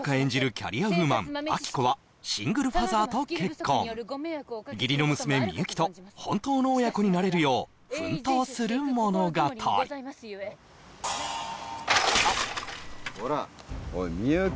キャリアウーマン亜希子はシングルファザーと結婚義理の娘みゆきと本当の親子になれるよう奮闘する物語こらおいみゆき